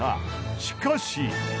しかし。